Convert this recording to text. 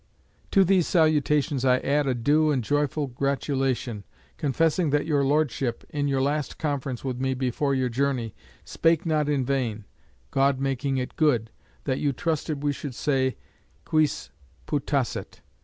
To these salutations I add a due and joyful gratulation, confessing that your Lordship, in your last conference with me before your journey, spake not in vain, God making it good, That you trusted we should say Quis putasset!